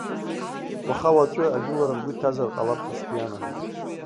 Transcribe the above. Уаха-уаҵәы ажәылара ргәы иҭазар ҟалап ҳәа сгәы иаанагоит.